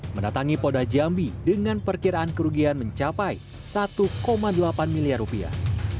mendatangi polda jambi dengan perkiraan kerugian mencapai satu delapan miliar rupiah